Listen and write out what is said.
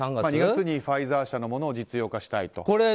２月にファイザー社のものを実用化したいと。